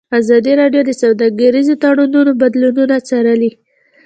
ازادي راډیو د سوداګریز تړونونه بدلونونه څارلي.